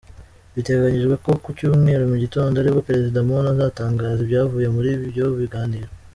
Biteganyijwe ko ku cyumweru mu gitondo aribwo Perezida Moon azatangaza ibyavuye muri ibyo biganiro.